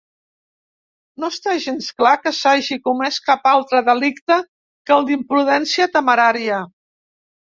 No està gens clar que s'hagi comés cap altre delicte que el d'imprudència temerària.